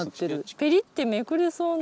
ペリってめくれそうな。